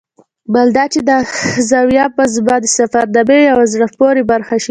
بل دا چې دا زاویه به زما د سفرنامې یوه زړه پورې برخه شي.